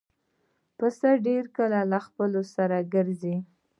پسه ډېر کله له خپلو سره ګرځي.